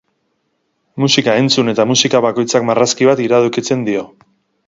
Musika entzun eta musika bakoitzak marrazki bat iradokitzen dio.